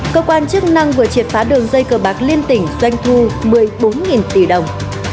cơ quan chức năng vừa triệt phá đường dây cờ bạc liên tỉnh doanh thu một mươi bốn tỷ đồng